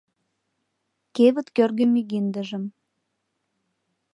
Кевыт кӧргӧ мӱгиндыжым